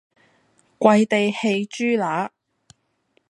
跪地餼豬乸